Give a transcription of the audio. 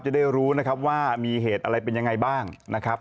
จะได้รู้นะครับว่ามีเหตุอะไรเป็นยังไงบ้างนะครับ